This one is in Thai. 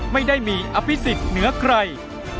ไม่ได้มีอภิษฐศาสตร์เหนือใคร